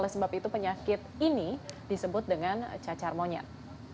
oleh sebab itu penyakit ini disebut dengan cacar monyet